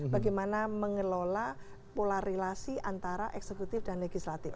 bagaimana mengelola pola relasi antara eksekutif dan legislatif